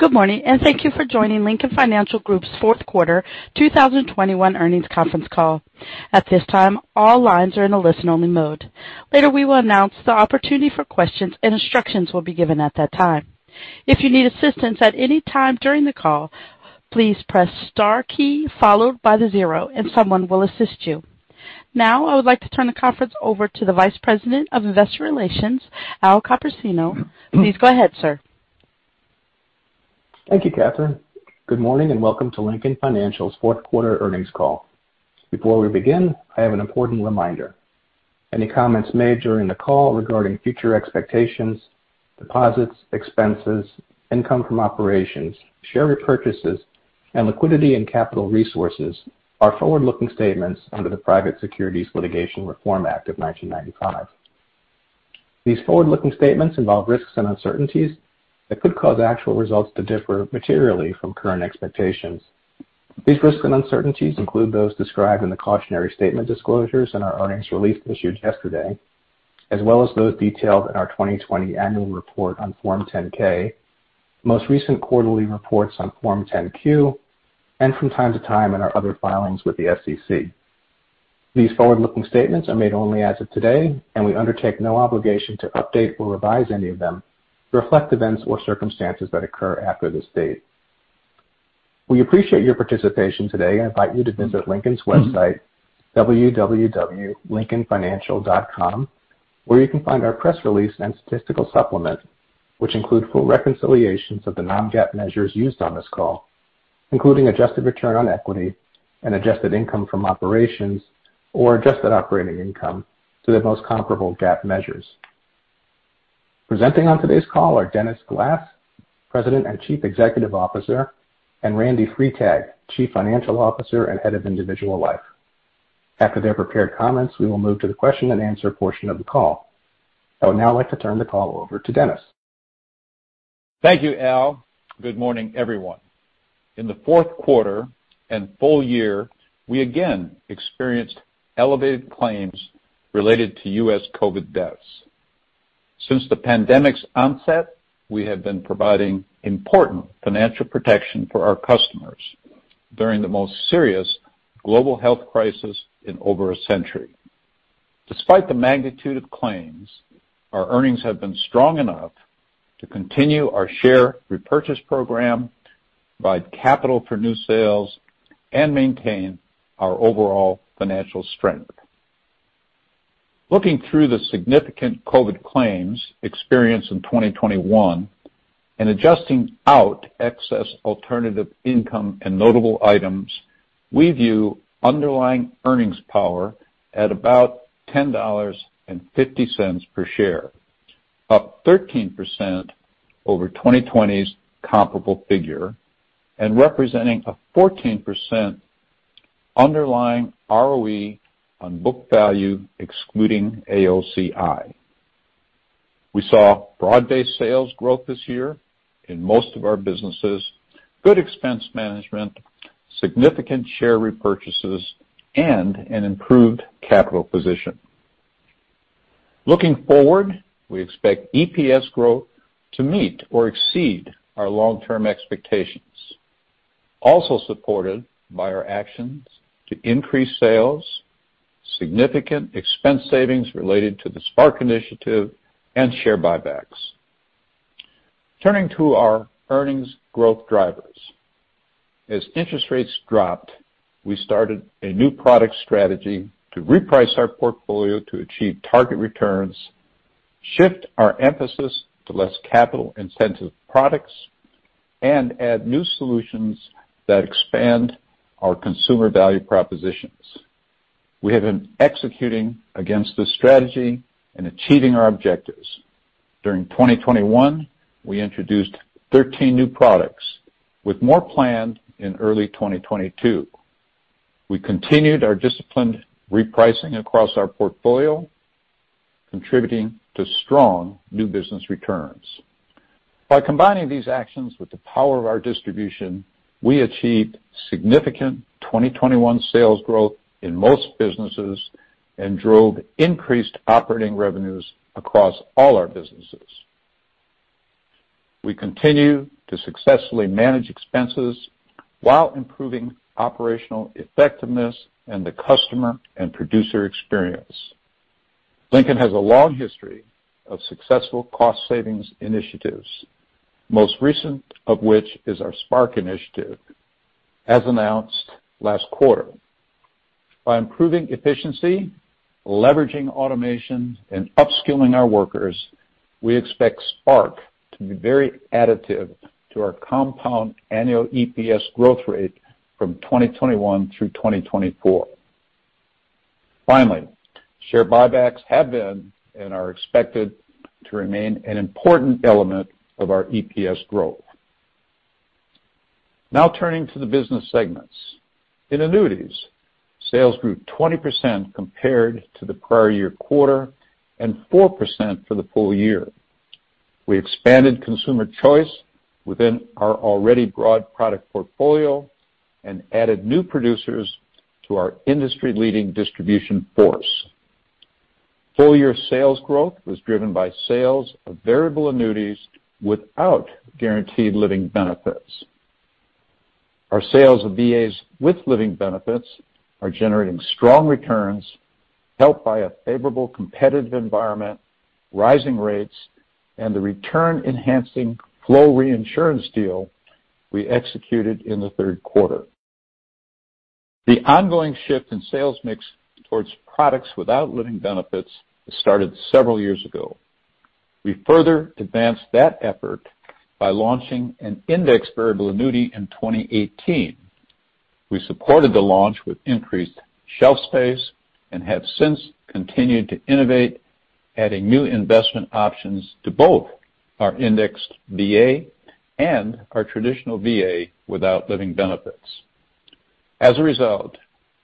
Good morning, and thank you for joining Lincoln Financial Group's fourth quarter 2021 earnings conference call. At this time, all lines are in a listen-only mode. Later, we will announce the opportunity for questions, and instructions will be given at that time. If you need assistance at any time during the call, please press * key followed by the zero, and someone will assist you. Now, I would like to turn the conference over to the Vice President of Investor Relations, Al Copersino. Please go ahead, sir. Thank you, Catherine. Good morning and welcome to Lincoln Financial's fourth quarter earnings call. Before we begin, I have an important reminder. Any comments made during the call regarding future expectations, deposits, expenses, income from operations, share repurchases, and liquidity and capital resources are forward-looking statements under the Private Securities Litigation Reform Act of 1995. These forward-looking statements involve risks and uncertainties that could cause actual results to differ materially from current expectations. These risks and uncertainties include those described in the cautionary statement disclosures in our earnings release issued yesterday, as well as those detailed in our 2020 annual report on Form 10-K, most recent quarterly reports on Form 10-Q, and from time-to-time in our other filings with the SEC. These forward-looking statements are made only as of today, and we undertake no obligation to update or revise any of them to reflect events or circumstances that occur after this date. We appreciate your participation today. I invite you to visit Lincoln's website, www.lincolnfinancial.com, where you can find our press release and statistical supplement, which include full reconciliations of the non-GAAP measures used on this call, including Adjusted Return on Equity and Adjusted Income from Operations or adjusted operating income to the most comparable GAAP measures. Presenting on today's call are Dennis Glass, President and Chief Executive Officer, and Randal J. Freitag, Chief Financial Officer and Head of Individual Life. After their prepared comments, we will move to the question-and-answer portion of the call. I would now like to turn the call over to Dennis. Thank you, Al. Good morning, everyone. In the fourth quarter and full-year, we again experienced elevated claims related to U.S. COVID deaths. Since the pandemic's onset, we have been providing important financial protection for our customers during the most serious global health crisis in over a century. Despite the magnitude of claims, our earnings have been strong enough to continue our share repurchase program, provide capital for new sales, and maintain our overall financial strength. Looking through the significant COVID claims experienced in 2021 and adjusting out excess alternative income and notable items, we view underlying earnings power at about $10.50 per share, up 13% over 2020's comparable figure and representing a 14% underlying ROE on book value, excluding AOCI. We saw broad-based sales growth this year in most of our businesses, good expense management, significant share repurchases, and an improved capital position. Looking forward, we expect EPS growth to meet or exceed our long-term expectations, also supported by our actions to increase sales, significant expense savings related to the Spark initiative, and share buybacks. Turning to our earnings growth drivers. As interest rates dropped, we started a new product strategy to reprice our portfolio to achieve target returns, shift our emphasis to less capital-intensive products, and add new solutions that expand our consumer value propositions. We have been executing against this strategy and achieving our objectives. During 2021, we introduced 13 new products, with more planned in early 2022. We continued our disciplined repricing across our portfolio, contributing to strong new business returns. By combining these actions with the power of our distribution, we achieved significant 2021 sales growth in most businesses and drove increased operating revenues across all our businesses. We continue to successfully manage expenses while improving operational effectiveness and the customer and producer experience. Lincoln has a long history of successful cost savings initiatives, most recent of which is our Spark initiative, as announced last quarter. By improving efficiency, leveraging automation, and upskilling our workers, we expect Spark to be very additive to our compound annual EPS growth rate from 2021 through 2024. Finally, share buybacks have been and are expected to remain an important element of our EPS growth. Now turning to the business segments. In Annuities, sales grew 20% compared to the prior year quarter and 4% for the full-year. We expanded consumer choice within our already broad product portfolio and added new producers to our industry-leading distribution force. Full-year sales growth was driven by sales of Variable Annuities without Guaranteed Living Benefits. Our sales of VAs with living benefits are generating strong returns, helped by a favorable competitive environment, rising rates, and the return-enhancing flow reinsurance deal we executed in the third quarter. The ongoing shift in sales mix towards products without living benefits started several years ago. We further advanced that effort by launching an Indexed Variable Annuity in 2018. We supported the launch with increased shelf space and have since continued to innovate, adding new investment options to both our indexed VA and our traditional VA without living benefits. As a result,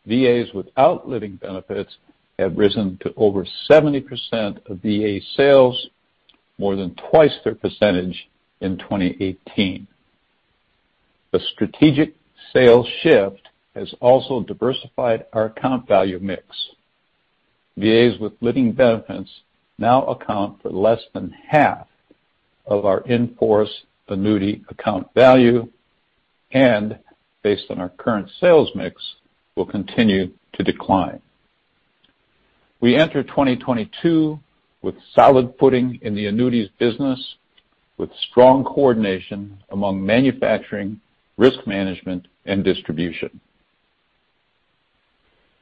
VAs without living benefits have risen to over 70% of VA sales, more than twice their percentage in 2018. The strategic sales shift has also diversified our account value mix. VAs with living benefits now account for less than half of our in-force annuity account value and based on our current sales mix, will continue to decline. We enter 2022 with solid footing in the annuities business with strong coordination among manufacturing, risk management, and distribution.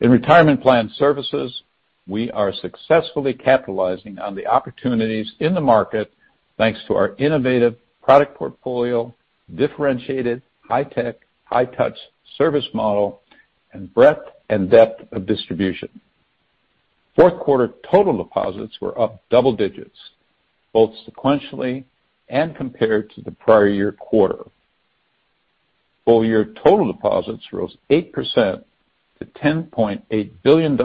In Retirement Plan Services, we are successfully capitalizing on the opportunities in the market thanks to our innovative product portfolio, differentiated high-tech, high-touch service model, and breadth and depth of distribution. Fourth quarter total deposits were up double digits, both sequentially and compared to the prior year quarter. Full-year total deposits rose 8% to $10.8 billion,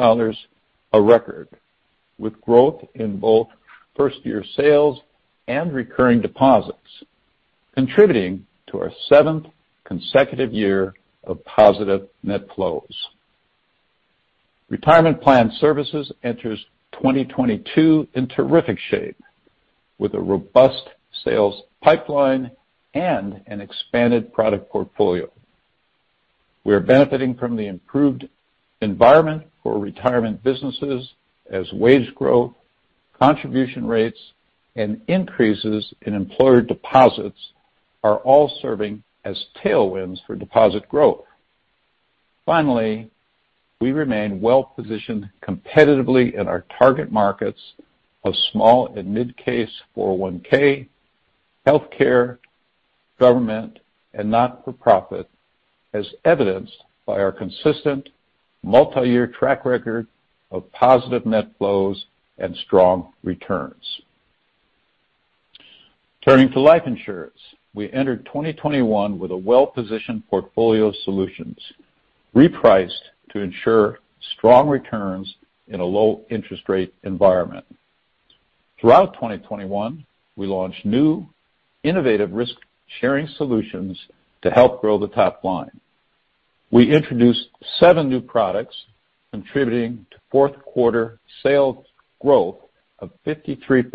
a record, with growth in both first-year sales and recurring deposits, contributing to our seventh consecutive year of positive net flows. Retirement Plan Services enters 2022 in terrific shape with a robust sales pipeline and an expanded product portfolio. We are benefiting from the improved environment for retirement businesses as wage growth, contribution rates, and increases in employer deposits are all serving as tailwinds for deposit growth. Finally, we remain well-positioned competitively in our target markets of small and midcase 401(k), healthcare, government, and not-for-profit, as evidenced by our consistent multi-year track record of positive net flows and strong returns. Turning to life insurance. We entered 2021 with a well-positioned portfolio solutions, repriced to ensure strong returns in a low interest rate environment. Throughout 2021, we launched new innovative risk-sharing solutions to help grow the top line. We introduced seven new products contributing to fourth quarter sales growth of 53%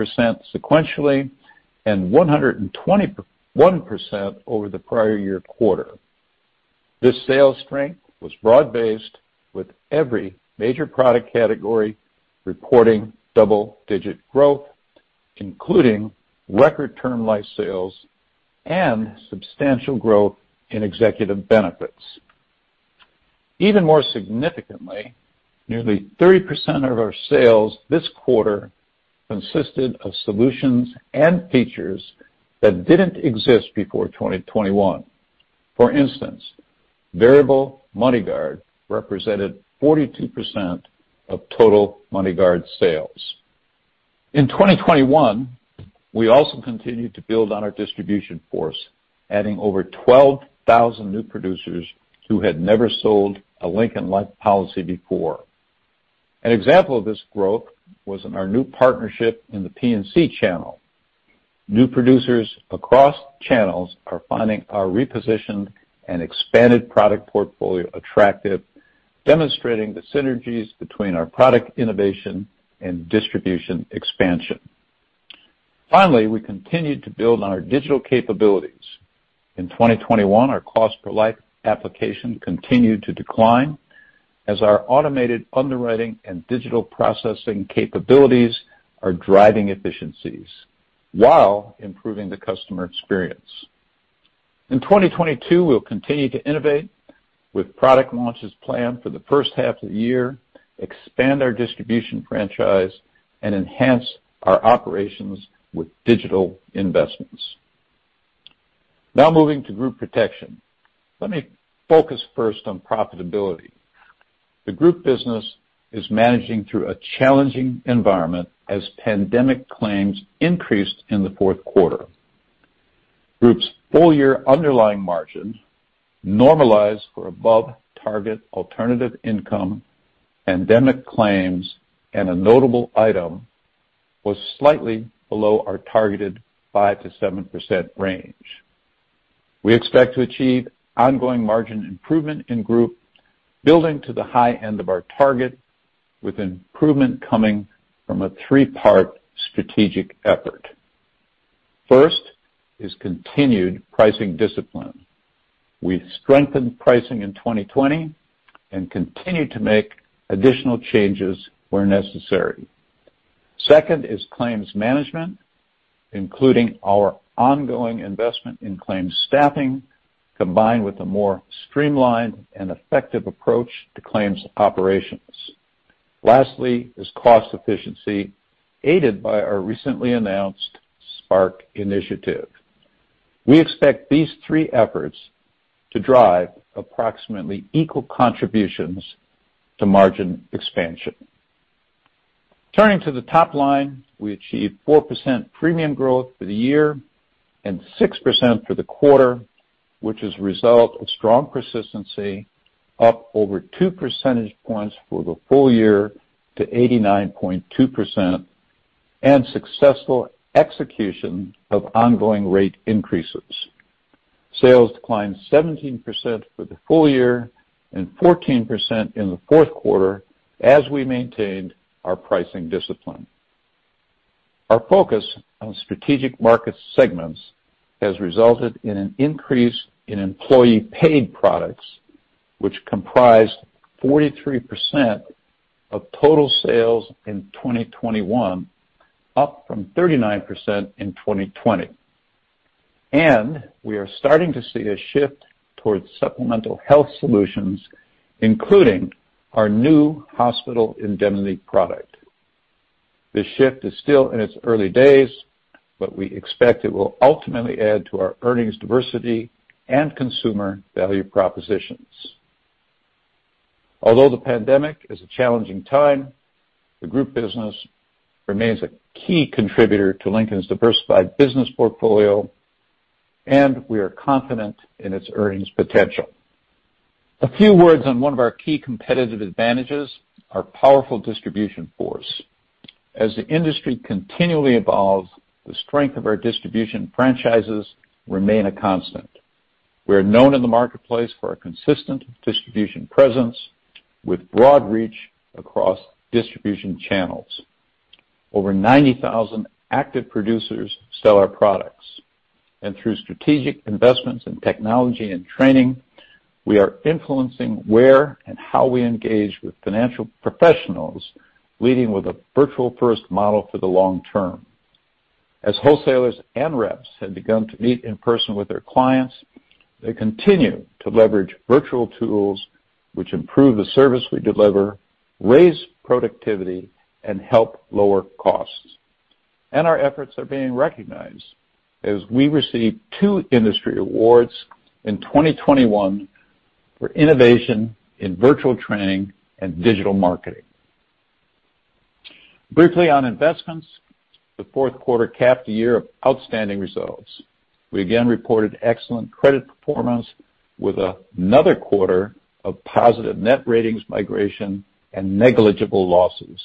sequentially and 121% over the prior year quarter. This sales strength was broad-based with every major product category reporting double-digit growth, including record Term life sales and substantial growth in executive benefits. Even more significantly, nearly 30% of our sales this quarter consisted of solutions and features that didn't exist before 2021. For instance, variable MoneyGuard represented 42% of total MoneyGuard sales. In 2021, we also continued to build on our distribution force, adding over 12,000 new producers who had never sold a Lincoln Life policy before. An example of this growth was in our new partnership in the P&C channel. New producers across channels are finding our repositioned and expanded product portfolio attractive, demonstrating the synergies between our product innovation and distribution expansion. Finally, we continued to build on our digital capabilities. In 2021, our cost per life application continued to decline as our automated underwriting and digital processing capabilities are driving efficiencies while improving the customer experience. In 2022, we'll continue to innovate with product launches planned for the first half of the year, expand our distribution franchise, and enhance our operations with digital investments. Now moving to Group Protection. Let me focus first on profitability. The group business is managing through a challenging environment as pandemic claims increased in the fourth quarter. Group's full-year underlying margin normalized for above target alternative income, pandemic claims, and a notable item was slightly below our targeted 5%-7% range. We expect to achieve ongoing margin improvement in Group, building to the high end of our target, with improvement coming from a three-part strategic effort. First is continued pricing discipline. We've strengthened pricing in 2020 and continue to make additional changes where necessary. Second is claims management, including our ongoing investment in claims staffing, combined with a more streamlined and effective approach to claims operations. Lastly is cost efficiency, aided by our recently announced Spark initiative. We expect these three efforts to drive approximately equal contributions to margin expansion. Turning to the top line, we achieved 4% premium growth for the year and 6% for the quarter, which is a result of strong persistency, up over 2 percentage points for the full-year to 89.2%, and successful execution of ongoing rate increases. Sales declined 17% for the full-year and 14% in the fourth quarter as we maintained our pricing discipline. Our focus on strategic market segments has resulted in an increase in employee paid products, which comprised 43% of total sales in 2021, up from 39% in 2020. We are starting to see a shift towards supplemental health solutions, including our new hospital indemnity product. This shift is still in its early days, but we expect it will ultimately add to our earnings diversity and consumer value propositions. Although the pandemic is a challenging time, the group business remains a key contributor to Lincoln's diversified business portfolio, and we are confident in its earnings potential. A few words on one of our key competitive advantages, our powerful distribution force. As the industry continually evolves, the strength of our distribution franchises remain a constant. We are known in the marketplace for our consistent distribution presence with broad reach across distribution channels. Over 90,000 active producers sell our products. Through strategic investments in technology and training, we are influencing where and how we engage with financial professionals, leading with a virtual first model for the long term. As wholesalers and reps have begun to meet in person with their clients, they continue to leverage virtual tools which improve the service we deliver, raise productivity, and help lower costs. Our efforts are being recognized as we received two industry awards in 2021 for innovation in virtual training and digital marketing. Briefly on investments, the fourth quarter capped a year of outstanding results. We again reported excellent credit performance with another quarter of positive net ratings migration and negligible losses.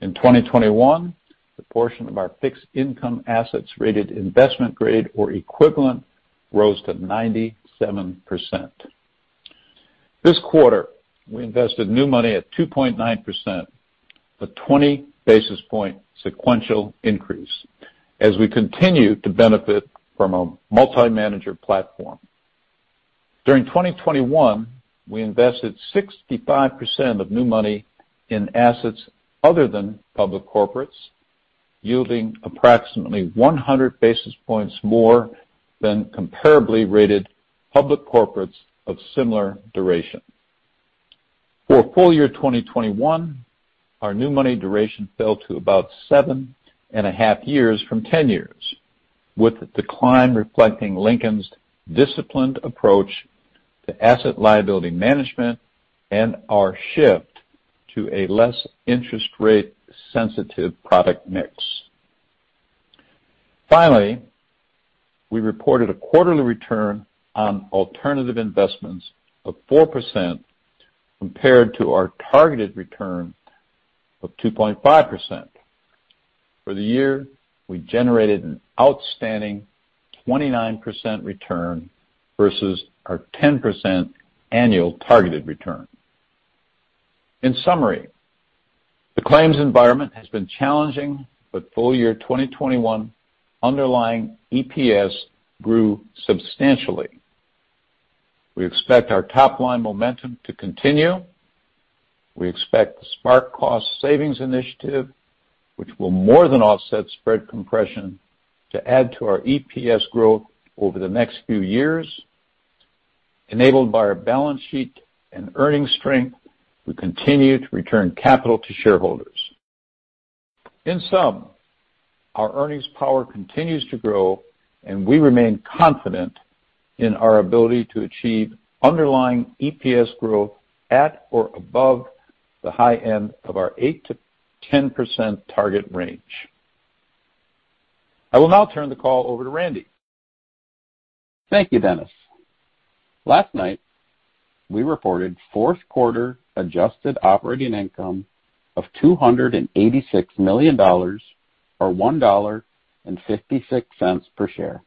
In 2021, the portion of our fixed income assets rated investment grade or equivalent rose to 97%. This quarter, we invested new money at 2.9%, a 20 basis point sequential increase as we continue to benefit from a multi-manager platform. During 2021, we invested 65% of new money in assets other than public corporates, yielding approximately 100 basis points more than comparably rated public corporates of similar duration. For full-year 2021, our new money duration fell to about 7.5 years from 10 years, with the decline reflecting Lincoln's disciplined approach to asset liability management and our shift to a less interest rate sensitive product mix. Finally, we reported a quarterly return on alternative investments of 4% compared to our targeted return of 2.5%. For the year, we generated an outstanding 29% return versus our 10% annual targeted return. In summary, the claims environment has been challenging, but full-year 2021 underlying EPS grew substantially. We expect our top line momentum to continue. We expect the Spark cost savings initiative, which will more than offset spread compression, to add to our EPS growth over the next few years. Enabled by our balance sheet and earnings strength, we continue to return capital to shareholders. In sum, our earnings power continues to grow, and we remain confident in our ability to achieve underlying EPS growth at or above the high end of our 8%-10% target range. I will now turn the call over to Randy. Thank you, Dennis. Last night, we reported fourth quarter adjusted operating income of $286 million, or $1.56 per share.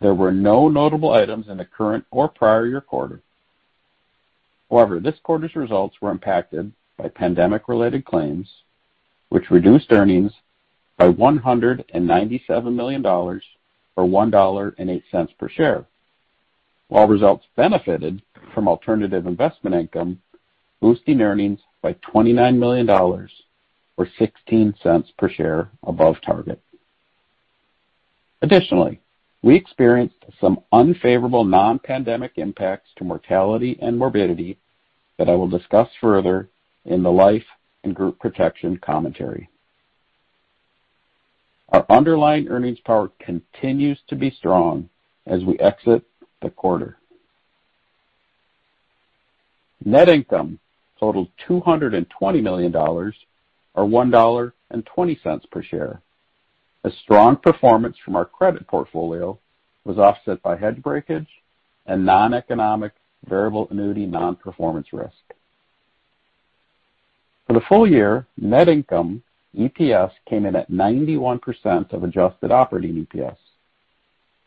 There were no notable items in the current or prior year quarter. However, this quarter's results were impacted by pandemic-related claims, which reduced earnings by $197 million, or $1.08 per share. While results benefited from alternative investment income, boosting earnings by $29 million, or $0.16 per share above target. Additionally, we experienced some unfavorable non-pandemic impacts to mortality and morbidity that I will discuss further in the life and group protection commentary. Our underlying earnings power continues to be strong as we exit the quarter. Net income totaled $220 million, or $1.20 per share. A strong performance from our credit portfolio was offset by hedge breakage and non-economic variable annuity non-performance risk. For the full-year, net income EPS came in at 91% of adjusted operating EPS,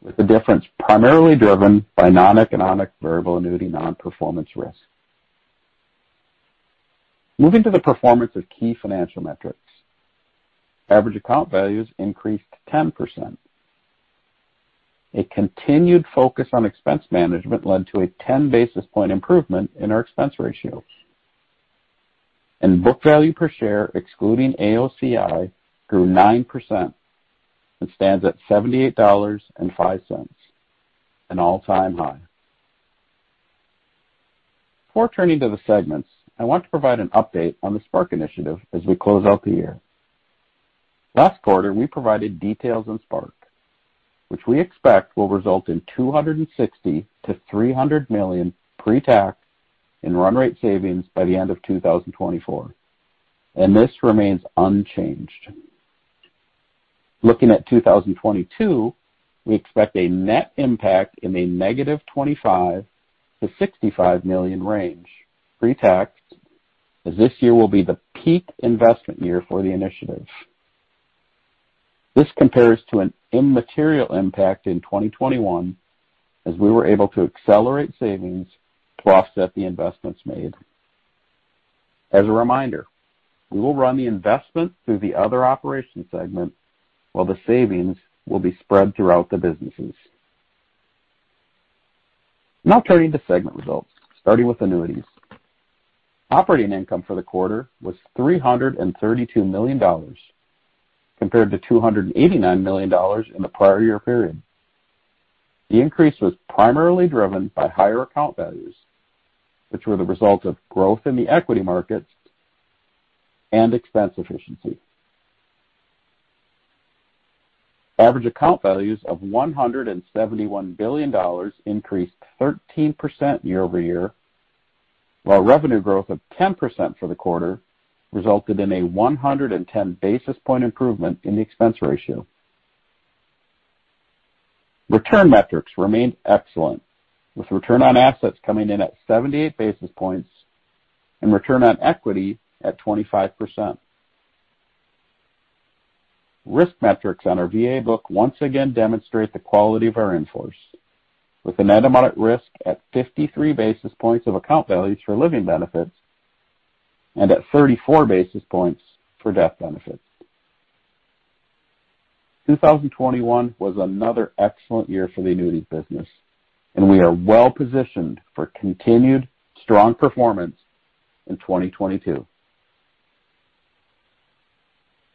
with the difference primarily driven by non-economic variable annuity non-performance risk. Moving to the performance of key financial metrics. Average account values increased 10%. A continued focus on expense management led to a 10 basis point improvement in our expense ratios. Book value per share, excluding AOCI, grew 9% and stands at $78.05, an all-time high. Before turning to the segments, I want to provide an update on the Spark initiative as we close out the year. Last quarter, we provided details on Spark, which we expect will result in $260 million-$300 million pre-tax in run rate savings by the end of 2024, and this remains unchanged. Looking at 2022, we expect a net impact in the -$25 million to $65 million range pre-tax, as this year will be the peak investment year for the initiative. This compares to an immaterial impact in 2021, as we were able to accelerate savings to offset the investments made. As a reminder, we will run the investment through the other operations segment while the savings will be spread throughout the businesses. Now turning to segment results, starting with Annuities. Operating income for the quarter was $332 million compared to $289 million in the prior year period. The increase was primarily driven by higher account values, which were the result of growth in the equity markets and expense efficiency. Average account values of $171 billion increased 13% year-over-year, while revenue growth of 10% for the quarter resulted in a 110 basis point improvement in the expense ratio. Return metrics remained excellent, with return on assets coming in at 78 basis points and return on equity at 25%. Risk metrics on our VA book once again demonstrate the quality of our in-force, with an economic risk at 53 basis points of account values for living benefits and at 34 basis points for death benefits. 2021 was another excellent year for the annuities business, and we are well-positioned for continued strong performance in 2022.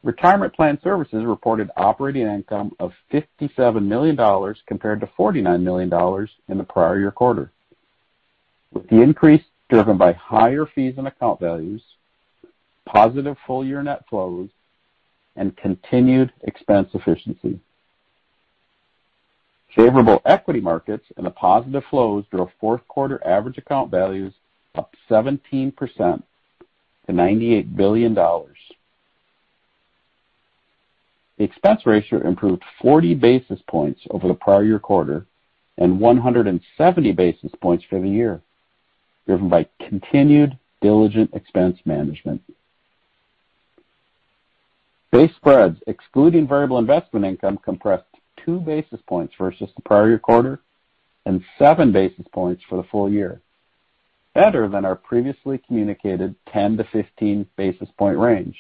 Retirement Plan Services reported operating income of $57 million compared to $49 million in the prior year quarter, with the increase driven by higher fees and account values, positive full-year net flows, and continued expense efficiency. Favorable equity markets and the positive flows drove fourth quarter average account values up 17% to $98 billion. The expense ratio improved 40 basis points over the prior year quarter and 170 basis points for the year, driven by continued diligent expense management. Base spreads, excluding variable investment income, compressed 2 basis points versus the prior year quarter and 7 basis points for the full-year, better than our previously communicated 10-15 basis point range,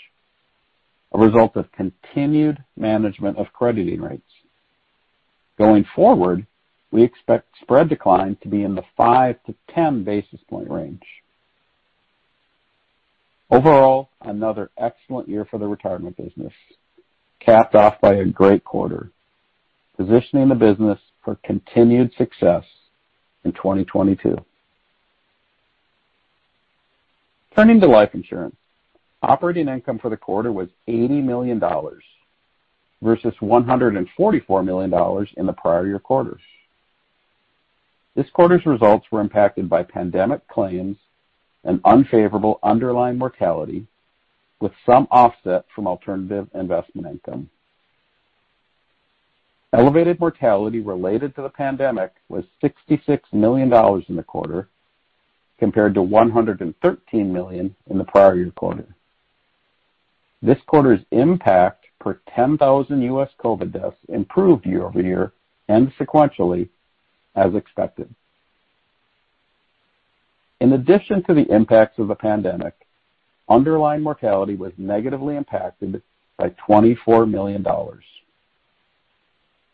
a result of continued management of crediting rates. Going forward, we expect spread decline to be in the 5-10 basis point range. Overall, another excellent year for the retirement business, capped off by a great quarter, positioning the business for continued success in 2022. Turning to life insurance. Operating income for the quarter was $80 million versus $144 million in the prior year quarters. This quarter's results were impacted by pandemic claims and unfavorable underlying mortality with some offset from alternative investment income. Elevated mortality related to the pandemic was $66 million in the quarter, compared to $113 million in the prior year quarter. This quarter's impact per 10,000 U.S. COVID deaths improved year-over-year and sequentially as expected. In addition to the impacts of the pandemic, underlying mortality was negatively impacted by $24 million.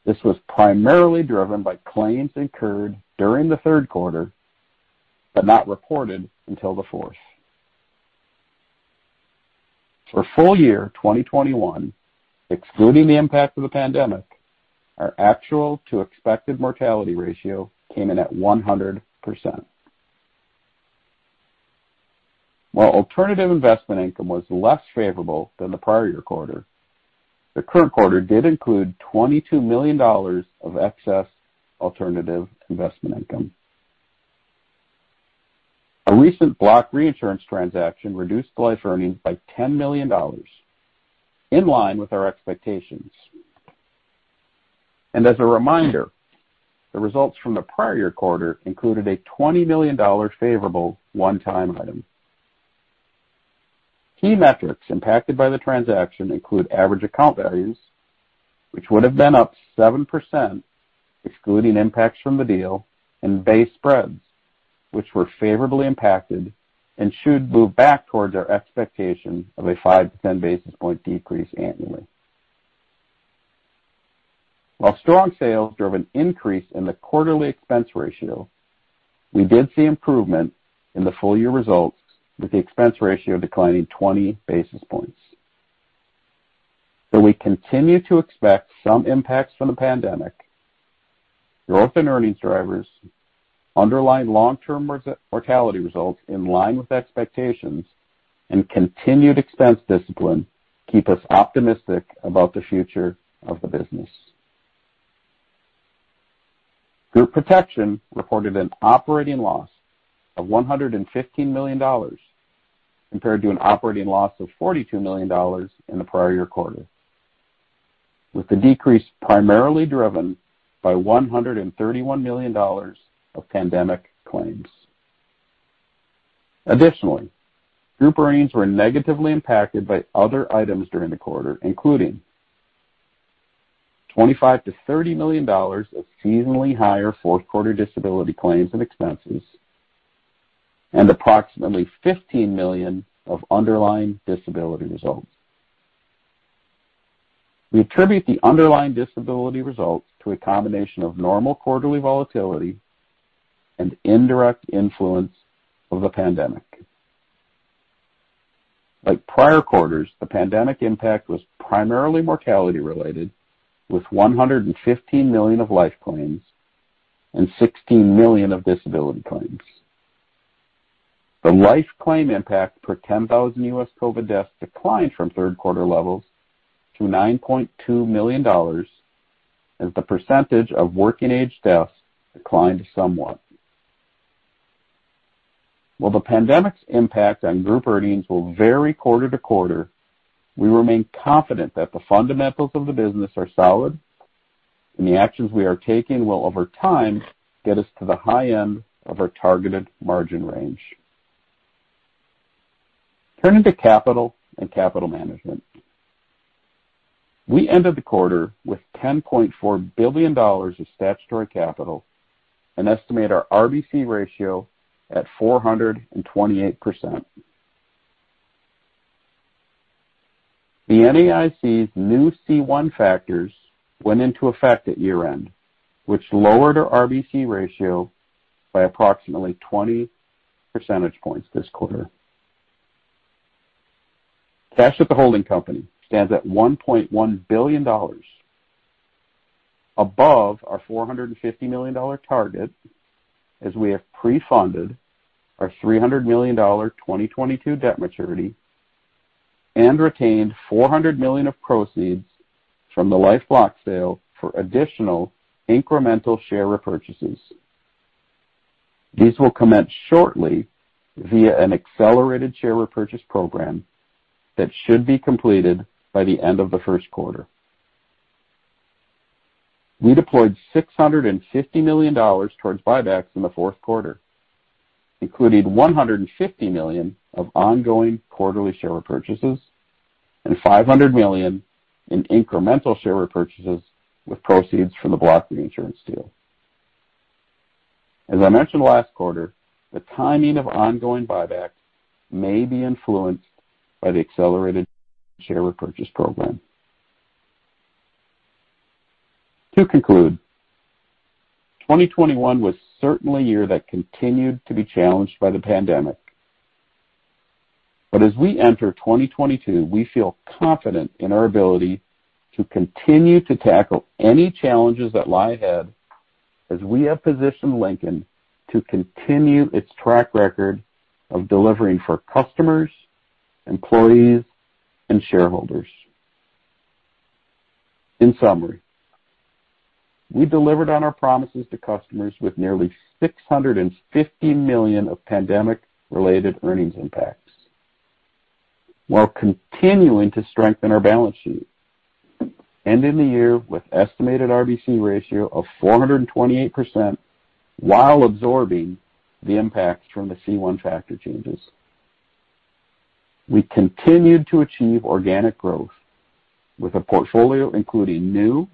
This was primarily driven by claims incurred during the third quarter, but not reported until the fourth. For full-year 2021, excluding the impact of the pandemic, our actual to expected mortality ratio came in at 100%. While alternative investment income was less favorable than the prior year quarter, the current quarter did include $22 million of excess alternative investment income. A recent block reinsurance transaction reduced the life earnings by $10 million, in line with our expectations. As a reminder, the results from the prior year quarter included a $20 million favorable one-time item. Key metrics impacted by the transaction include average account values, which would have been up 7% excluding impacts from the deal, and base spreads, which were favorably impacted and should move back towards our expectation of a 5-10 basis point decrease annually. While strong sales drove an increase in the quarterly expense ratio, we did see improvement in the full-year results, with the expense ratio declining 20 basis points. Though we continue to expect some impacts from the pandemic, growth in earnings drivers, underlying long-term reinsurance mortality results in line with expectations and continued expense discipline keep us optimistic about the future of the business. Group Protection reported an operating loss of $115 million, compared to an operating loss of $42 million in the prior year quarter, with the decrease primarily driven by $131 million of pandemic claims. Additionally, group earnings were negatively impacted by other items during the quarter, including $25 million-$30 million of seasonally higher fourth quarter disability claims and expenses and approximately $15 million of underlying disability results. We attribute the underlying disability results to a combination of normal quarterly volatility and indirect influence of the pandemic. Like prior quarters, the pandemic impact was primarily mortality-related, with $115 million of life claims and $16 million of disability claims. The life claim impact per 10,000 U.S. COVID deaths declined from third quarter levels to $9.2 million as the percentage of working age deaths declined somewhat. While the pandemic's impact on group earnings will vary quarter to quarter, we remain confident that the fundamentals of the business are solid and the actions we are taking will over time get us to the high end of our targeted margin range. Turning to capital and capital management. We ended the quarter with $10.4 billion of statutory capital and estimate our RBC ratio at 428%. The NAIC's new C1 factors went into effect at year-end, which lowered our RBC ratio by approximately 20 percentage points this quarter. Cash at the holding company stands at $1.1 billion above our $450 million target as we have pre-funded our $300 million 2022 debt maturity and retained $400 million of proceeds from the life block sale for additional incremental share repurchases. These will commence shortly via an accelerated share repurchase program that should be completed by the end of the first quarter. We deployed $650 million towards buybacks in the fourth quarter, including $150 million of ongoing quarterly share repurchases and $500 million in incremental share repurchases with proceeds from the block reinsurance deal. As I mentioned last quarter, the timing of ongoing buybacks may be influenced by the accelerated share repurchase program. To conclude, 2021 was certainly a year that continued to be challenged by the pandemic. As we enter 2022, we feel confident in our ability to continue to tackle any challenges that lie ahead as we have positioned Lincoln to continue its track record of delivering for customers, employees, and shareholders. In summary, we delivered on our promises to customers with nearly $650 million of pandemic-related earnings impacts while continuing to strengthen our balance sheet. We ended the year with estimated RBC ratio of 428% while absorbing the impacts from the C1 factor changes. We continued to achieve organic growth with a portfolio including new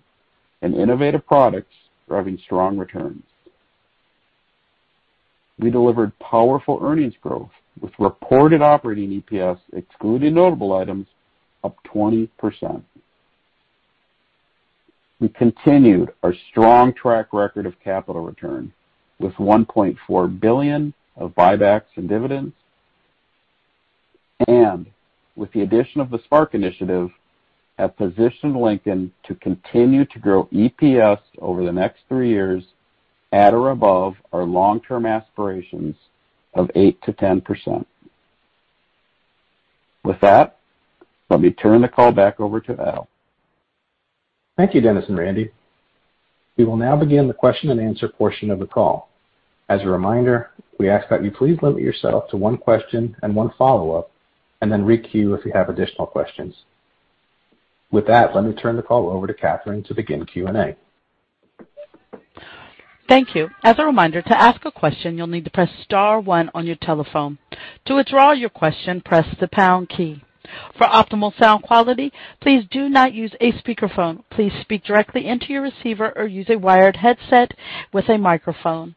and innovative products driving strong returns. We delivered powerful earnings growth with reported operating EPS, excluding notable items, up 20%. We continued our strong track record of capital return with $1.4 billion of buybacks and dividends, and with the addition of the Spark initiative, have positioned Lincoln to continue to grow EPS over the next three years at or above our long-term aspirations of 8%-10%. With that, let me turn the call back over to Al. Thank you, Dennis and Randy. We will now begin the question and answer portion of the call. As a reminder, we ask that you please limit yourself to one question and one follow-up, and then re-queue if you have additional questions. With that, let me turn the call over to Catherine to begin Q&A. Thank you. As a reminder, to ask a question, you'll need to press star one on your telephone. To withdraw your question, press the pound key. For optimal sound quality, please do not use a speakerphone. Please speak directly into your receiver or use a wired headset with a microphone.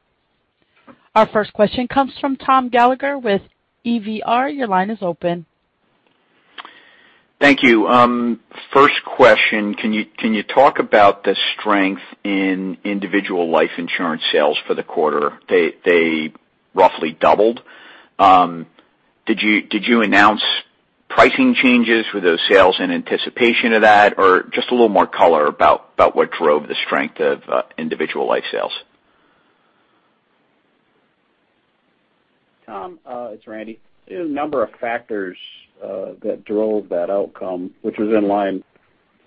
Our first question comes from Tom Gallagher with Evercore. Your line is open. Thank you. First question, can you talk about the strength in individual life insurance sales for the quarter? They roughly doubled. Did you announce pricing changes? Were those sales in anticipation of that? Or just a little more color about what drove the strength of individual life sales. Tom, it's Randy. There's a number of factors that drove that outcome, which was in line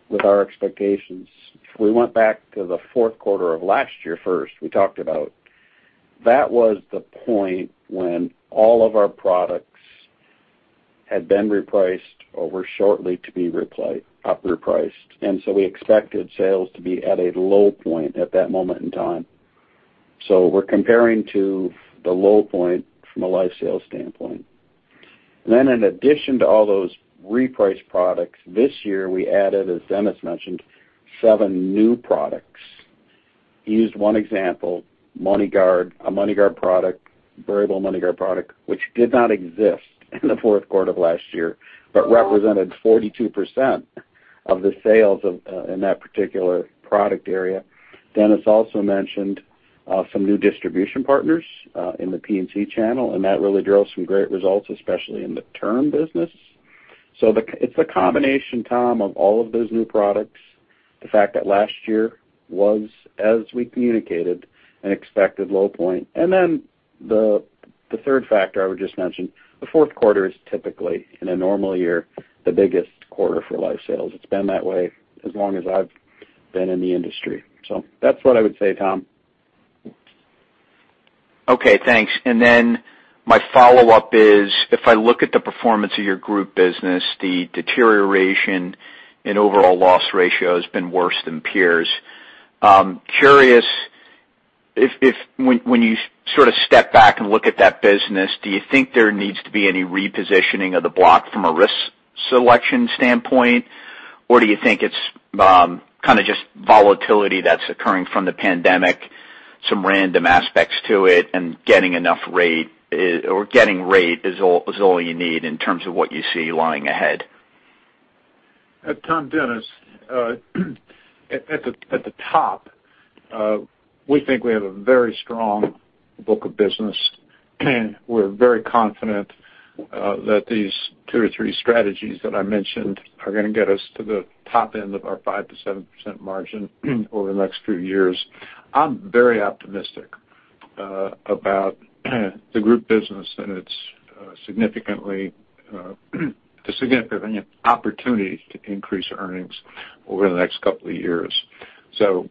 with our expectations. If we went back to the fourth quarter of last year first, we talked about that was the point when all of our products had been repriced or were shortly to be repriced. We expected sales to be at a low point at that moment in time. We're comparing to the low point from a life sales standpoint. In addition to all those repriced products, this year we added, as Dennis mentioned, seven new products. He used one example, MoneyGuard, a MoneyGuard product, variable MoneyGuard product, which did not exist in the fourth quarter of last year, but represented 42% of the sales of in that particular product area. Dennis also mentioned some new distribution partners in the P&C channel, and that really drove some great results, especially in the term business. It's a combination, Tom, of all of those new products, the fact that last year was, as we communicated, an expected low point. The third factor I would just mention, the fourth quarter is typically, in a normal year, the biggest quarter for life sales. It's been that way as long as I've been in the industry. That's what I would say, Tom. Okay, thanks. My follow-up is, if I look at the performance of your group business, the deterioration in overall loss ratio has been worse than peers. Curious if when you sort of step back and look at that business, do you think there needs to be any repositioning of the block from a risk selection standpoint? Or do you think it's kind of just volatility that's occurring from the pandemic, some random aspects to it and getting enough rate or getting rate is all you need in terms of what you see lying ahead? Tom, Dennis. At the top, we think we have a very strong book of business, and we're very confident that these two or three strategies that I mentioned are gonna get us to the top end of our 5%-7% margin over the next few years. I'm very optimistic about the group business, and it's a significant opportunity to increase earnings over the next couple of years.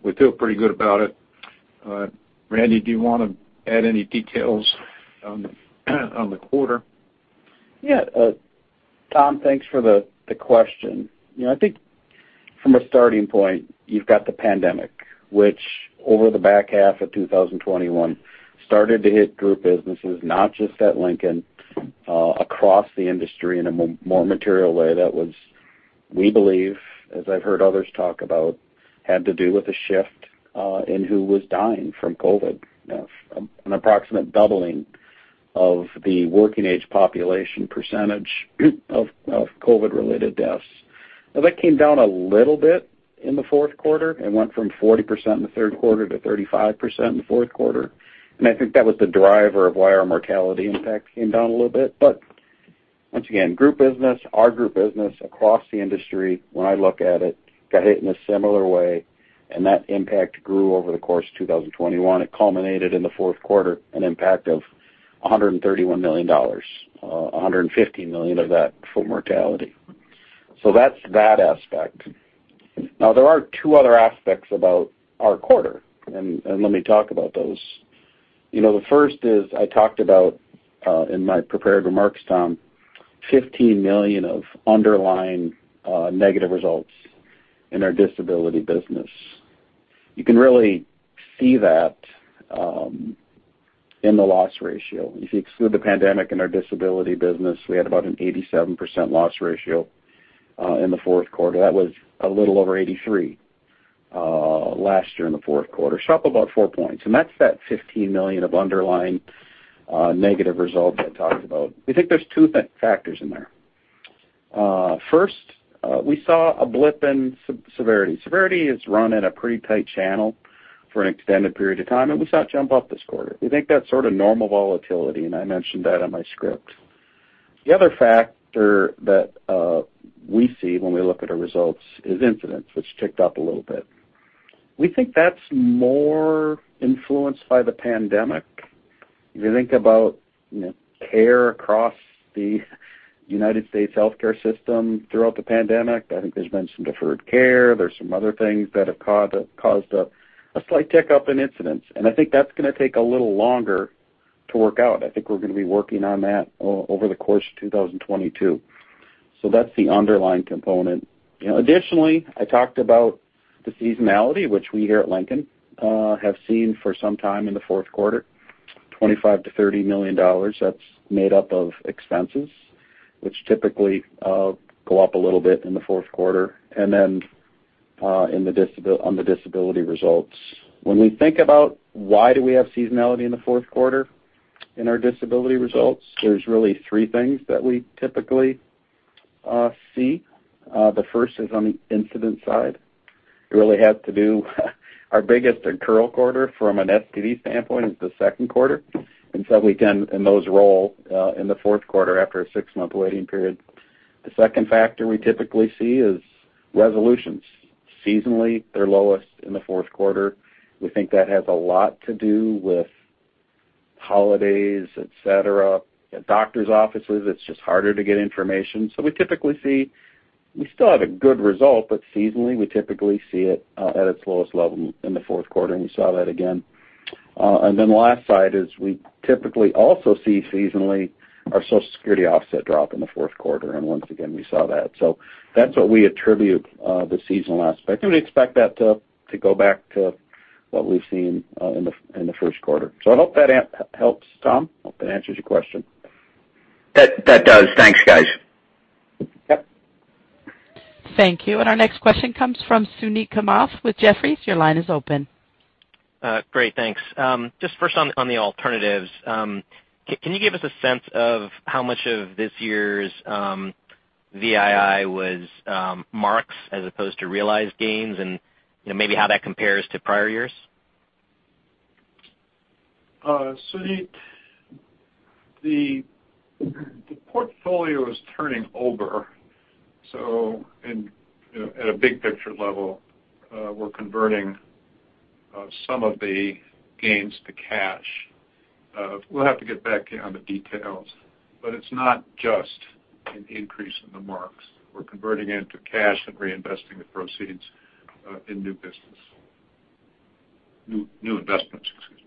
We feel pretty good about it. Randy, do you wanna add any details on the quarter? Yeah. Tom, thanks for the question. You know, I think from a starting point, you've got the pandemic, which over the back half of 2021 started to hit group businesses, not just at Lincoln, across the industry in a more material way. That was, we believe, as I've heard others talk about, had to do with a shift in who was dying from COVID. An approximate doubling of the working age population percentage of COVID-related deaths. Now, that came down a little bit in the fourth quarter. It went from 40% in the third quarter to 35% in the fourth quarter. I think that was the driver of why our mortality impact came down a little bit. Once again, our group business across the industry, when I look at it, got hit in a similar way. That impact grew over the course of 2021. It culminated in the fourth quarter, an impact of $131 million, $150 million of that for mortality. So that's that aspect. Now, there are two other aspects about our quarter, and let me talk about those. You know, the first is I talked about in my prepared remarks, Tom, $15 million of underlying negative results in our disability business. You can really see that in the loss ratio. If you exclude the pandemic in our disability business, we had about an 87% loss ratio in the fourth quarter. That was a little over 83% last year in the fourth quarter. So up about 4 basis points, and that's that $15 million of underlying negative results I talked about. We think there's two factors in there. First, we saw a blip in severity. Severity has run at a pretty tight channel for an extended period of time, and we saw it jump up this quarter. We think that's sort of normal volatility, and I mentioned that on my script. The other factor that we see when we look at our results is incidence, which ticked up a little bit. We think that's more influenced by the pandemic. If you think about, you know, care across the United States healthcare system throughout the pandemic, I think there's been some deferred care. There's some other things that have caused a slight tick up in incidence. I think that's gonna take a little longer to work out. I think we're gonna be working on that over the course of 2022. That's the underlying component. You know, additionally, I talked about the seasonality which we here at Lincoln have seen for some time in the fourth quarter, $25 million-$30 million. That's made up of expenses, which typically go up a little bit in the fourth quarter and then on the disability results. When we think about why we have seasonality in the fourth quarter in our disability results, there's really three things that we typically see. The first is on the incident side. It really has to do, our biggest accrual quarter from an STD standpoint is the second quarter. We tend, and those roll in the fourth quarter after a six-month waiting period. The second factor we typically see is resolutions. Seasonally, they're lowest in the fourth quarter. We think that has a lot to do with holidays, et cetera. At doctor's offices, it's just harder to get information. We typically see. We still have a good result, but seasonally, we typically see it at its lowest level in the fourth quarter, and we saw that again. The last side is we typically also see seasonally our Social Security offset drop in the fourth quarter, and once again, we saw that. That's what we attribute the seasonal aspect. We expect that to go back to what we've seen in the first quarter. I hope that helps, Tom. Hope that answers your question. That does. Thanks, guys. Thank you. Our next question comes from Suneet Kamath with Jefferies. Your line is open. Great. Thanks. Just first on the alternatives. Can you give us a sense of how much of this year's VII was marks as opposed to realized gains? You know, maybe how that compares to prior years. Suneet, the portfolio is turning over, so, you know, at a big picture level, we're converting some of the gains to cash. We'll have to get back to you on the details, but it's not just an increase in the marks. We're converting it into cash and reinvesting the proceeds in new business. New investments, excuse me.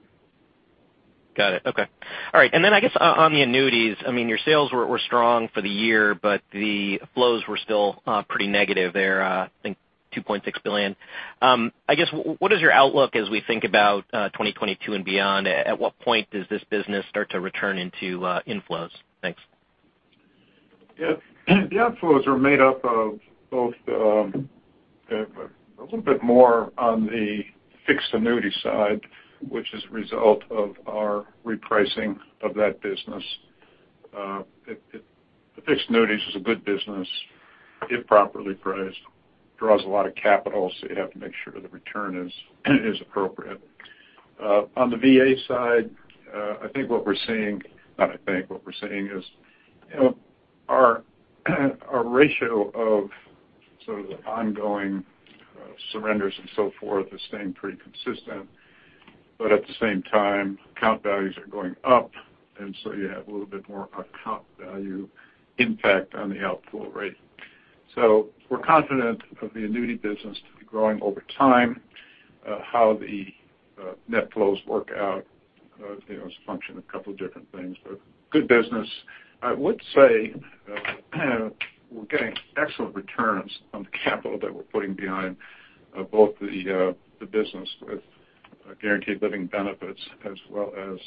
Got it. Okay. All right. I guess on the annuities, I mean, your sales were strong for the year, but the flows were still pretty negative there, I think $2.6 billion. I guess what is your outlook as we think about 2022 and beyond? At what point does this business start to return into inflows? Thanks. Yeah. The outflows are made up of both, a little bit more on the fixed annuity side, which is a result of our repricing of that business. The fixed annuities is a good business if properly priced. Draws a lot of capital, so you have to make sure the return is appropriate. On the VA side, what we're seeing is, you know, our ratio of sort of the ongoing surrenders and so forth is staying pretty consistent. But at the same time, account values are going up, and so you have a little bit more of an account value impact on the outflow rate. So we're confident of the annuity business to be growing over time. How the net flows work out, you know, is a function of a couple different things, but good business. I would say, we're getting excellent returns on the capital that we're putting behind both the business with Guaranteed Living Benefits as well as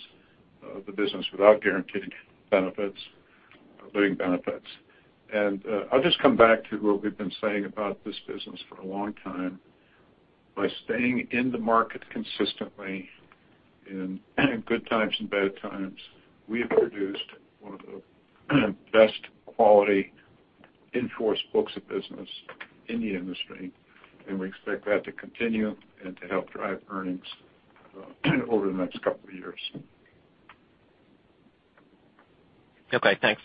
the business without Guaranteed Living Benefits. I'll just come back to what we've been saying about this business for a long time. By staying in the market consistently in good times and bad times, we have produced one of the best quality in-force books of business in the industry, and we expect that to continue and to help drive earnings over the next couple of years. Okay, thanks.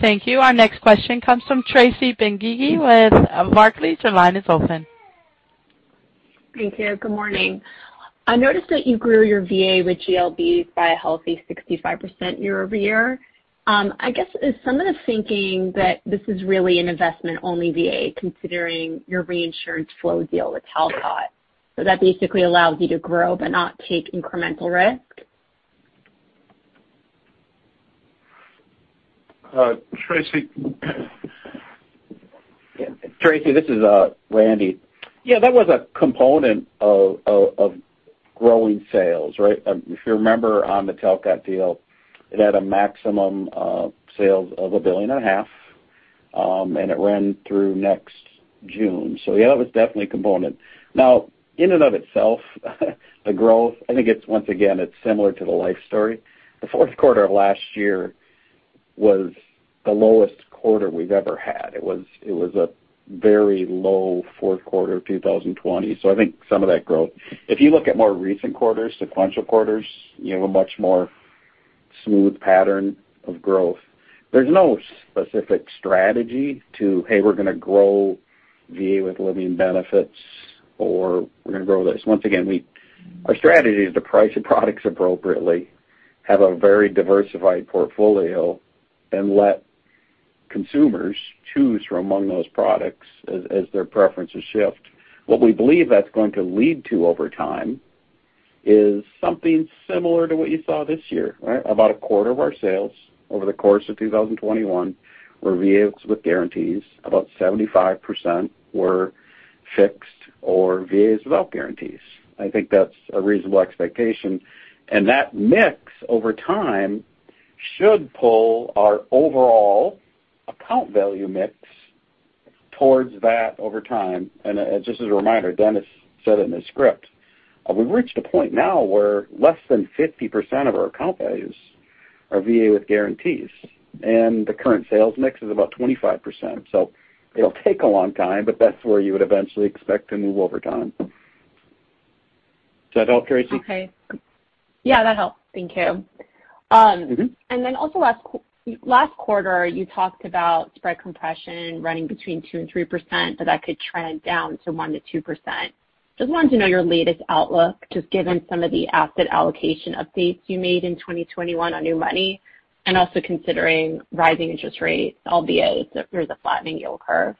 Thank you. Our next question comes from Tracy Benguigui with Barclays. Your line is open. Thank you. Good morning. I noticed that you grew your VA with GLBs by a healthy 65% year-over-year. I guess it's some of the thinking that this is really an investment-only VA considering your reinsurance flow deal with Talcott. That basically allows you to grow but not take incremental risk. Tracy, this is Randy. Yeah, that was a component of growing sales, right? If you remember on the Talcott deal, it had a maximum sales of $1.5 billion, and it ran through next June. Yeah, that was definitely a component. Now, in and of itself, the growth, I think it's once again similar to the Life story. The fourth quarter of last year was the lowest quarter we've ever had. It was a very low fourth quarter, 2020. I think some of that growth. If you look at more recent quarters, sequential quarters, you have a much more smooth pattern of growth. There's no specific strategy to, hey, we're gonna grow VA with living benefits or we're gonna grow this. Once again, our strategy is to price the products appropriately, have a very diversified portfolio and let consumers choose from among those products as their preferences shift. What we believe that's going to lead to over time is something similar to what you saw this year, right? About a quarter of our sales over the course of 2021 were VAs with guarantees. About 75% were fixed or VAs without guarantees. I think that's a reasonable expectation. That mix over time should pull our overall account value mix towards that over time. Just as a reminder, Dennis said in his script, we've reached a point now where less than 50% of our account values are VA with guarantees, and the current sales mix is about 25%. It'll take a long time, but that's where you would eventually expect to move over time. Does that help, Tracy? Okay. Yeah, that helps. Thank you. Also last quarter, you talked about spread compression running between 2% and 3%, but that could trend down to 1%-2%. Just wanted to know your latest outlook, just given some of the asset allocation updates you made in 2021 on new money and also considering rising interest rates, albeit through the flattening yield curve.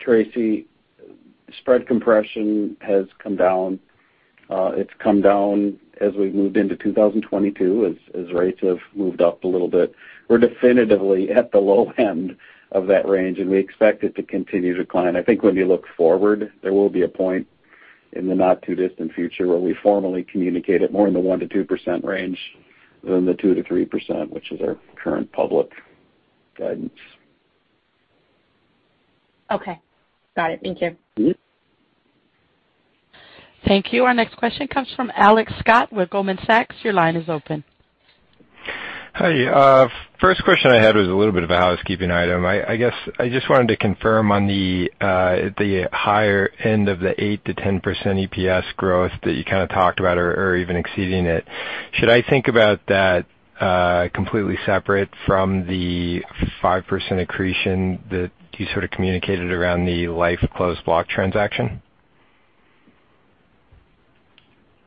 Tracy, spread compression has come down. It's come down as we've moved into 2022 as rates have moved up a little bit. We're definitively at the low end of that range, and we expect it to continue to decline. I think when you look forward, there will be a point in the not too distant future where we formally communicate it more in the 1%-2% range than the 2%-3%, which is our current public guidance. Okay. Got it. Thank you. Thank you. Our next question comes from Alex Scott with Goldman Sachs. Your line is open. Hi. First question I had was a little bit of a housekeeping item. I guess I just wanted to confirm on the higher end of the 8%-10% EPS growth that you kind of talked about or even exceeding it. Should I think about that completely separate from the 5% accretion that you sort of communicated around the life closed block transaction?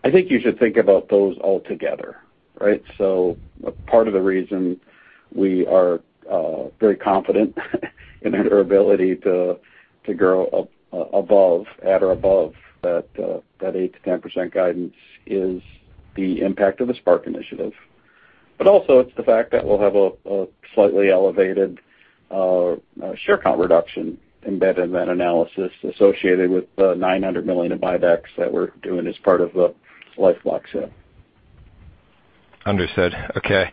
I think you should think about those all together, right? Part of the reason we are very confident in our ability to grow above, at or above that 8%-10% guidance is the impact of the Spark initiative. Also it's the fact that we'll have a slightly elevated share count reduction embedded in that analysis associated with the $900 million of buybacks that we're doing as part of the life block transaction. Understood. Okay.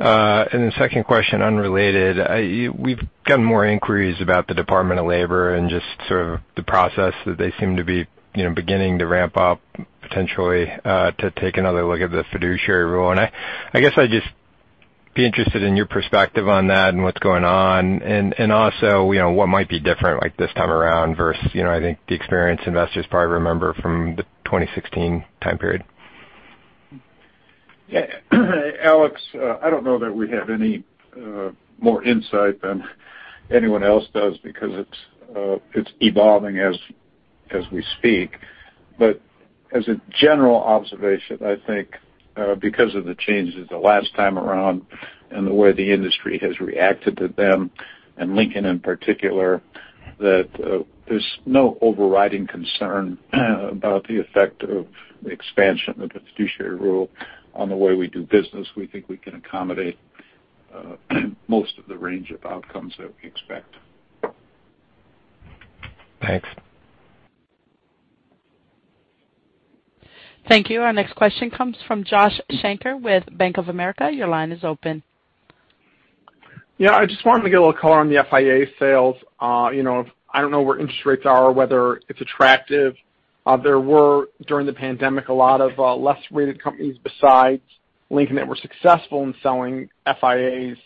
Second question, unrelated. We've gotten more inquiries about the Department of Labor and just sort of the process that they seem to be, you know, beginning to ramp up potentially, to take another look at the Fiduciary Rule. I guess I'd just be interested in your perspective on that and what's going on. Also, you know, what might be different like this time around versus, you know, I think the experienced investors probably remember from the 2016 time period. Yeah. Alex, I don't know that we have any more insight than anyone else does because it's evolving as we speak. As a general observation, I think because of the changes the last time around and the way the industry has reacted to them, and Lincoln in particular, that there's no overriding concern about the effect of the expansion of the Fiduciary Rule on the way we do business. We think we can accommodate most of the range of outcomes that we expect. Thanks. Thank you. Our next question comes from Josh Shanker with Bank of America. Your line is open. Yeah, I just wanted to get a little color on the FIA sales. You know, I don't know where interest rates are, whether it's attractive. There were, during the pandemic, a lot of less rated companies besides Lincoln that were successful in selling FIAs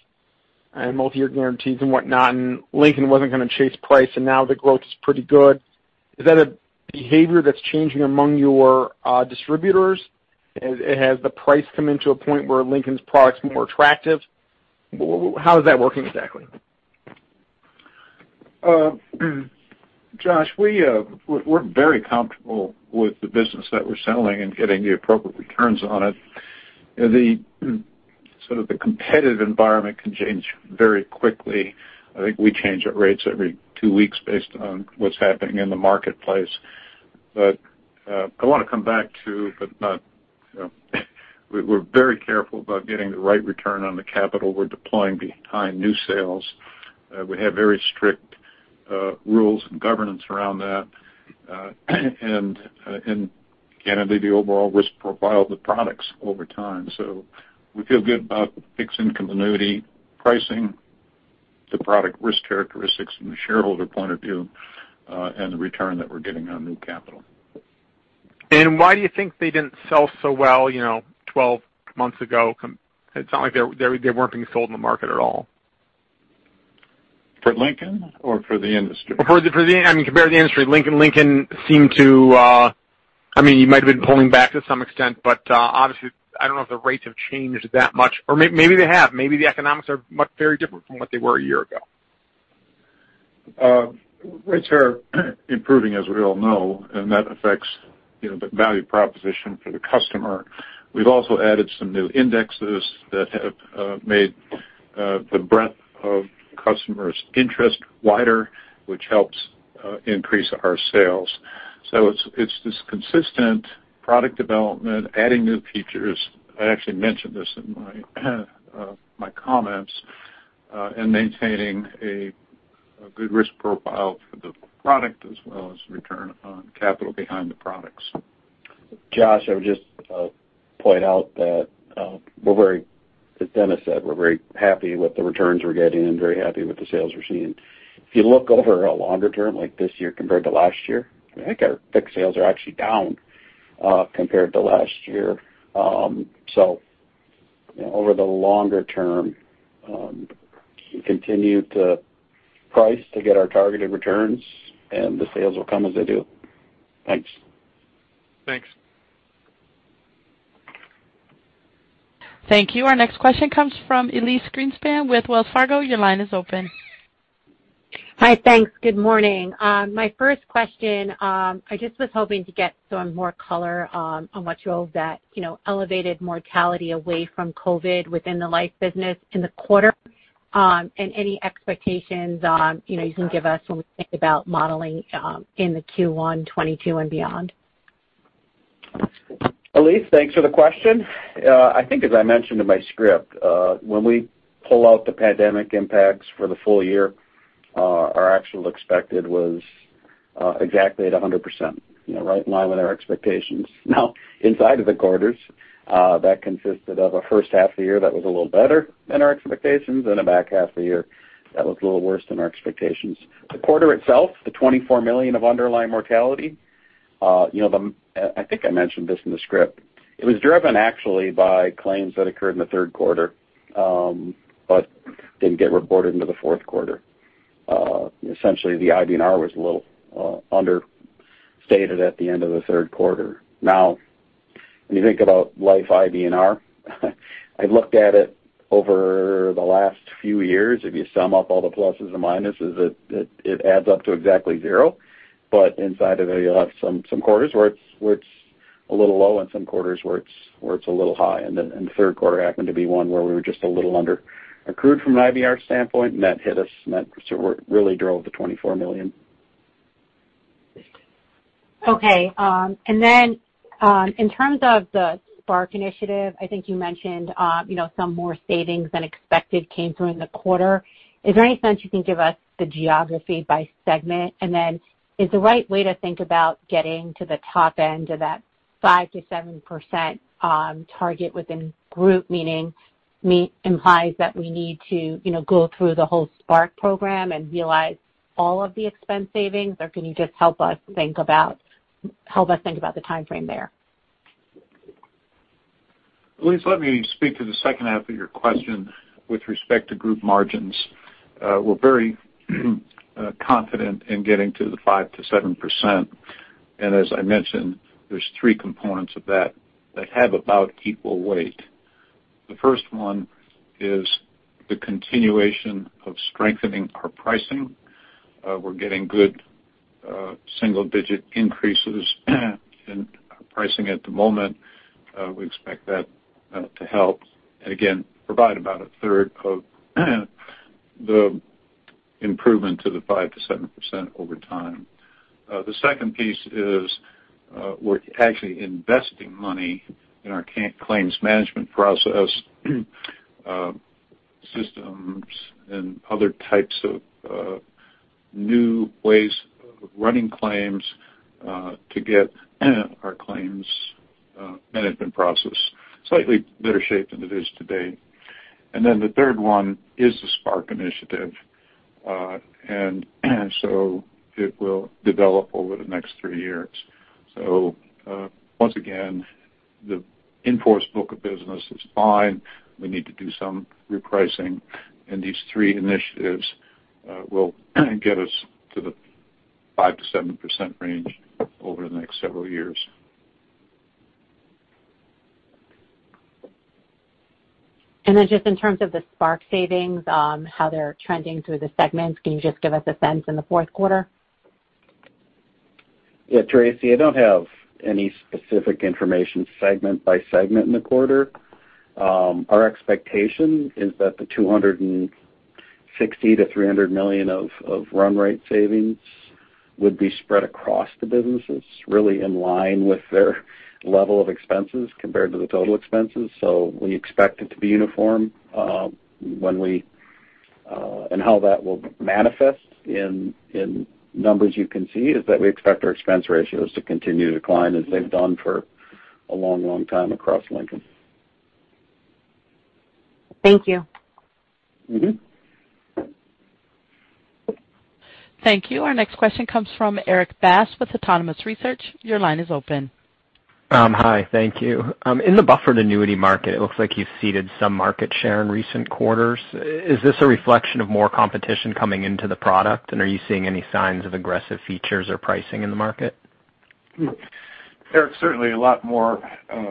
and multiyear guarantees and whatnot, and Lincoln wasn't gonna chase price, and now the growth is pretty good. Is that a behavior that's changing among your distributors? Has the price come into a point where Lincoln's product's more attractive? How is that working exactly? Josh, we're very comfortable with the business that we're selling and getting the appropriate returns on it. The competitive environment can change very quickly. I think we change our rates every two weeks based on what's happening in the marketplace. I wanna come back to, you know, we're very careful about getting the right return on the capital we're deploying behind new sales. We have very strict rules and governance around that. Again, I think the overall risk profile of the products over time we feel good about the fixed income annuity pricing, the product risk characteristics from the shareholder point of view, and the return that we're getting on new capital. Why do you think they didn't sell so well, you know, 12 months ago? It's not like they weren't being sold in the market at all. For Lincoln or for the industry? For the, I mean, compared to the industry, Lincoln seemed to, I mean, you might have been pulling back to some extent, but, obviously, I don't know if the rates have changed that much. Or maybe they have. Maybe the economics are much very different from what they were a year ago. Rates are improving, as we all know, and that affects, you know, the value proposition for the customer. We've also added some new indexes that have made the breadth of customers' interest wider, which helps increase our sales. It's this consistent product development, adding new features. I actually mentioned this in my comments and maintaining a good risk profile for the product as well as return on capital behind the products. Josh, I would just point out that we're very, as Dennis said, we're very happy with the returns we're getting and very happy with the sales we're seeing. If you look over a longer term, like this year compared to last year, I think our fixed sales are actually down compared to last year. You know, over the longer term, we continue to price to get our targeted returns, and the sales will come as they do. Thanks. Thanks. Thank you. Our next question comes from Elyse Greenspan with Wells Fargo. Your line is open. Hi. Thanks. Good morning. My first question, I just was hoping to get some more color on what drove that, you know, elevated mortality away from COVID within the life business in the quarter. And any expectations on, you know, you can give us when we think about modeling in the Q1 2022 and beyond. Elyse, thanks for the question. I think as I mentioned in my script, when we pull out the pandemic impacts for the full-year, our actual expected was exactly at 100%, you know, right in line with our expectations. Now, inside of the quarters, that consisted of a first half of the year that was a little better than our expectations and a back half of the year that was a little worse than our expectations. The quarter itself, the $24 million of underlying mortality, you know, I think I mentioned this in the script. It was driven actually by claims that occurred in the third quarter, but didn't get reported into the fourth quarter. Essentially, the IBNR was a little understated at the end of the third quarter. Now, when you think about life IBNR, I looked at it over the last few years. If you sum up all the pluses and minuses, it adds up to exactly zero. Inside of it, you'll have some quarters where it's a little low and some quarters where it's a little high. The third quarter happened to be one where we were just a little underaccrued from an IBNR standpoint. That hit us and sort of really drove the $24 million. Okay. Then, in terms of the Spark initiative, I think you mentioned, you know, some more savings than expected came through in the quarter. Is there any sense you can give us the geography by segment? Then, is the right way to think about getting to the top end of that 5%-7% target within Group, meaning implies that we need to, you know, go through the whole Spark program and realize all of the expense savings, or can you just help us think about the timeframe there? Elyse, let me speak to the second half of your question with respect to group margins. We're very confident in getting to the 5%-7%. As I mentioned, there's three components of that that have about equal weight. The first one is the continuation of strengthening our pricing. We're getting good single-digit increases in our pricing at the moment. We expect that to help and again, provide about 1/3 of the improvement to the 5%-7% over time. The second piece is, we're actually investing money in our claims management process, systems and other types of new ways of running claims to get our claims management process in slightly better shape than it is today. Then the third one is the Spark initiative. It will develop over the next three years. Once again, the in-force book of business is fine. We need to do some repricing, and these three initiatives will get us to the 5%-7% range over the next several years. Just in terms of the Spark savings, how they're trending through the segments, can you just give us a sense in the fourth quarter? Yeah, Elyse I don't have any specific information segment by segment in the quarter. Our expectation is that the $260 million-$300 million of run rate savings would be spread across the businesses, really in line with their level of expenses compared to the total expenses. We expect it to be uniform, and how that will manifest in numbers you can see is that we expect our expense ratios to continue to decline as they've done for a long, long time across Lincoln. Thank you. Thank you. Our next question comes from Erik Bass with Autonomous Research. Your line is open. In the buffered annuity market, it looks like you've ceded some market share in recent quarters. Is this a reflection of more competition coming into the product, and are you seeing any signs of aggressive features or pricing in the market? Erik, certainly a lot more,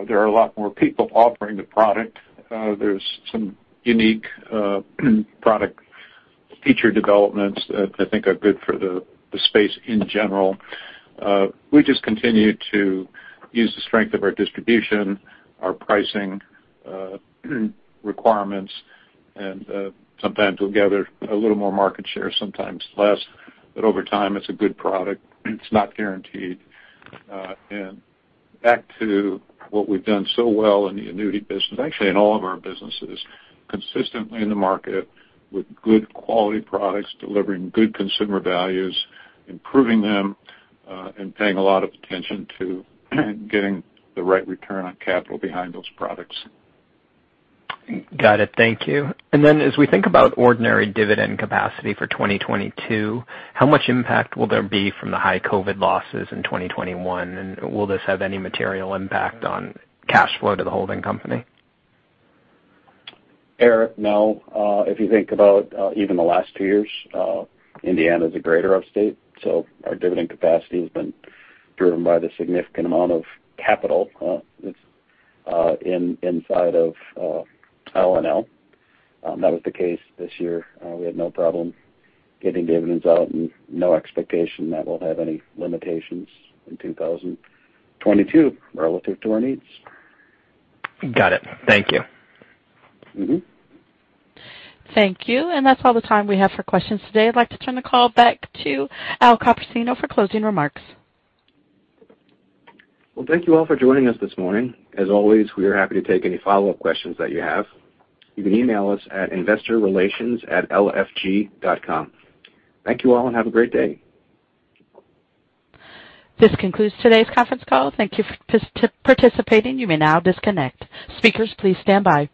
there are a lot more people offering the product. There's some unique, product feature developments that I think are good for the space in general. We just continue to use the strength of our distribution, our pricing, requirements, and, sometimes we'll gather a little more market share, sometimes less. Over time, it's a good product. It's not guaranteed. Back to what we've done so well in the annuity business, actually in all of our businesses, consistently in the market with good quality products, delivering good consumer values, improving them, and paying a lot of attention to getting the right return on capital behind those products. Got it. Thank you. As we think about ordinary dividend capacity for 2022, how much impact will there be from the high COVID losses in 2021? Will this have any material impact on cash flow to the holding company? Eric, no. If you think about even the last two years, in Indiana it's a greater of state, so our dividend capacity has been driven by the significant amount of capital that's inside of L&L. That was the case this year. We had no problem getting dividends out and no expectation that we'll have any limitations in 2022 relative to our needs. Got it. Thank you. Thank you. That's all the time we have for questions today. I'd like to turn the call back to Al Copersino for closing remarks. Well, thank you all for joining us this morning. As always, we are happy to take any follow-up questions that you have. You can email us at investorrelations@lfg.com. Thank you all, and have a great day. This concludes today's conference call. Thank you for participating. You may now disconnect. Speakers, please stand by.